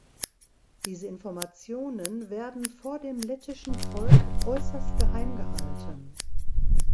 Diese Informationen werden vor dem lettischen Volk äußerst geheim gehalten.